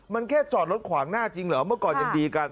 มันแค่จอดรถขวางหน้าจริงเหรอเมื่อก่อนยังดีกัน